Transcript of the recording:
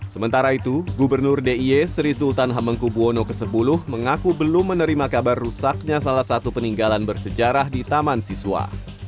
sementara itu gubernur d i e sri sultan hamengkubwono x mengaku belum menerima kabar rusaknya salah satu peninggalan bersejarah di taman siswa